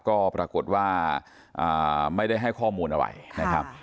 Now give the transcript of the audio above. ก็ปรากฏว่าไม่ได้ให้ข้อมูลอะไรนะครับ